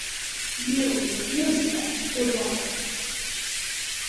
You refuse, then, to oblige me.